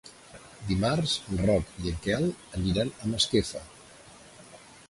Dimarts en Roc i en Quel aniran a Masquefa.